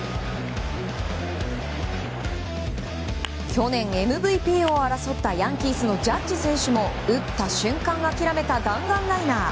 去年ＭＶＰを争ったヤンキースのジャッジ選手も打った瞬間諦めた弾丸ライナー。